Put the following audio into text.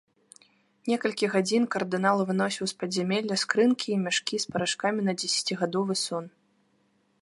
Некалькі гадзін кардынал выносіў з падзямелля скрынкі і мяшкі з парашкамі на дзесяцігадовы сон.